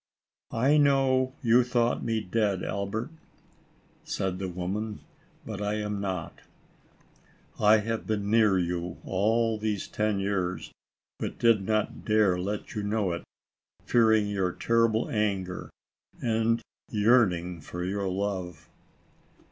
"I know you thought me dead, Albert," said the woman," but I am not. I have been near you all these ten years, but did not dare let you know it, fearing your terrible anger, and yearn ing for your love."